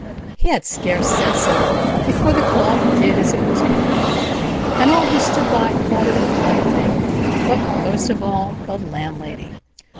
He had scarce said so before the cloth did as it was bid; and all who stood by thought it a fine thing, but most of all the landlady.